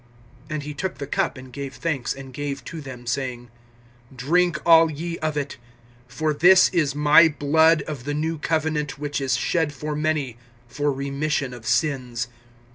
(27)And he took the cup, and gave thanks, and gave to them, saying: Drink all ye of it. (28)For this is my blood of the new covenant[26:28], which is shed for many, for remission of sins.